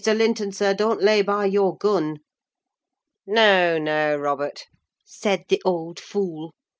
Linton, sir, don't lay by your gun.' 'No, no, Robert,' said the old fool.